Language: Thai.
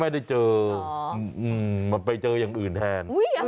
ไม่ได้เจอมันไปเจออย่างอื่นแทน